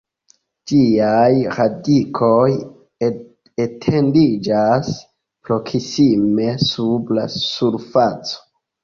Ĝiaj radikoj etendiĝas proksime sub la surfaco.